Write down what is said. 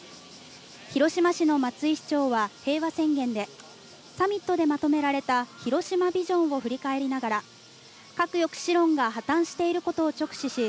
広島市の松井市長は平和宣言でサミットでまとめられた広島ビジョンを振り返りながら核抑止論が破綻していることを直視し